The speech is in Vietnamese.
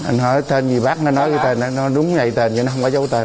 chứ anh hỏi tên gì bác nó nói cái tên đó nó đúng ngay tên đó nó không có giấu tên